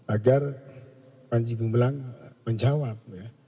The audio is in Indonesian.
agar manjigo ngilang menjawab ya